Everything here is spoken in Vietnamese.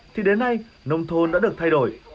thì đến nay nông thôn đã được thay đổi